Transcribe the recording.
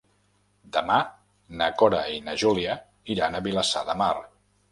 Demà na Cora i na Júlia iran a Vilassar de Mar.